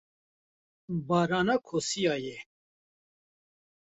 barana kosiya ye.